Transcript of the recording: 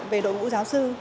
về đội ngũ giáo sư